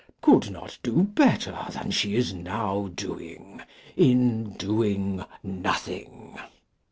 could not do better than she is now doing, in doing nothing.